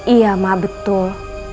iya emak betul